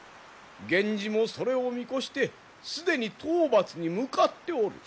源氏もそれを見越して既に討伐に向かっておる。